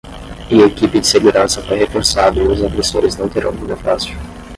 E equipe de segurança foi reforçada e os agressores não terão vida fácil